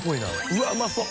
うわぁうまそう。